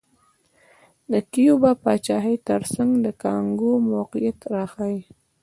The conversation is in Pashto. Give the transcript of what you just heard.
د کیوبا پاچاهۍ ترڅنګ د کانګو موقعیت راښيي.